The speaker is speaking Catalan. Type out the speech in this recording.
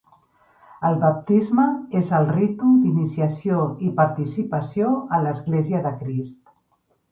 El baptisme és el ritu d'iniciació i participació a l'església de Crist.